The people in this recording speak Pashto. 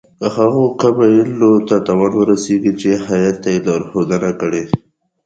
که هغو قبایلو ته تاوان ورسیږي چې هیات ته یې لارښودنه کړې.